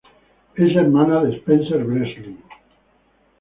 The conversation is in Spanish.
Es hermana de Spencer Breslin.